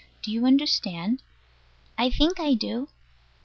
Do you understand? I think I do.